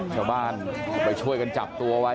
ชาวบ้านไปช่วยกันจับตัวไว้